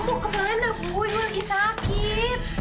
ibu kemana bu ibu lagi sakit